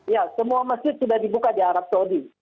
ya semua masjid sudah dibuka di arab saudi